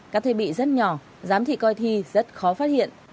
các thiết bị rất nhỏ giám thị coi thi rất khó phát hiện